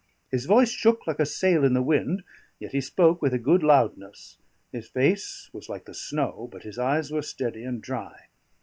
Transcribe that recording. His voice shook like a sail in the wind, yet he spoke with a good loudness; his face was like the snow, but his eyes were steady and dry.